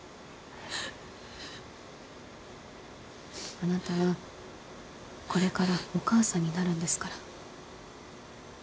あなたはこれからお母さんになるんですから。